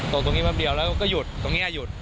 ตรงนี้แป๊บเดียวแล้วก็หยุดตรงนี้หยุด